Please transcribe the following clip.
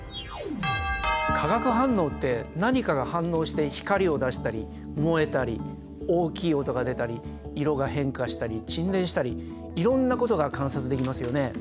化学反応って何かが反応して光を出したり燃えたり大きい音が出たり色が変化したり沈殿したりいろんなことが観察できますよね。